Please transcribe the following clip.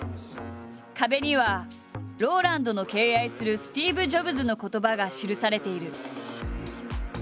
壁にはＲＯＬＡＮＤの敬愛するスティーブ・ジョブズの言葉が記されている。